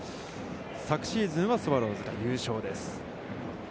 昨シーズンはスワローズが優勝です。